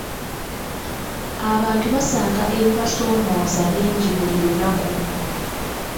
Abantu basanga ebibasoomooza bingi buli lunaku.